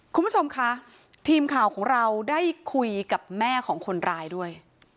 คุณผู้ชมคะทีมข่าวของเราได้คุยกับแม่ของคนร้ายด้วย